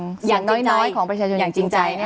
อย่างน้อยของประชาชนอย่างจริงใจ